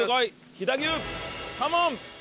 飛騨牛カモン！